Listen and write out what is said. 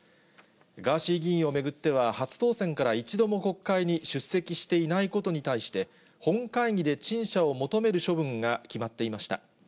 ガーシー議員を巡っては、初当選から一度も国会に出席していないことに対して、本会議で陳謝を求める処分が決まっていました。